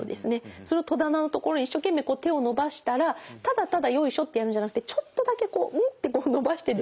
それを戸棚の所に一生懸命手を伸ばしたらただただよいしょってやるんじゃなくてちょっとだけこううんって伸ばしてですね